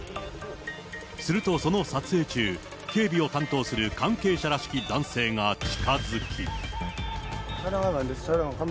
すると、その撮影中、警備を担当する関係者らしき男性が近づき。